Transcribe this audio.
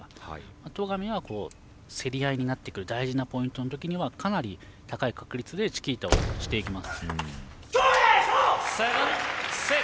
戸上は競り合いになってくる大事なポイントの時はかなり高い確率でチキータをしていきます。